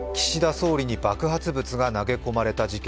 総理に爆発物が投げ込まれた事件。